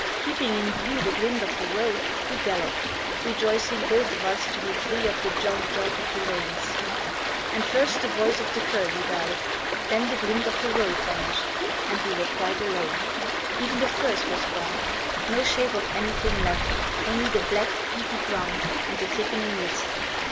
Keeping in view the glint of the road, we galloped; rejoicing, both of us, to be free of the jog jog of the lanes. And first the voice of the curlew died; then the glint of the road vanished; and we were quite alone. Even the furze was gone; no shape of anything left, only the black, peaty ground, and the thickening mist.